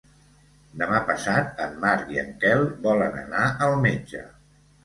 Demà passat en Marc i en Quel volen anar al metge.